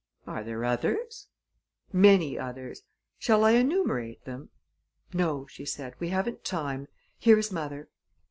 "Are there others?" "Many others. Shall I enumerate them?" "No," she said, "we haven't time. Here is mother."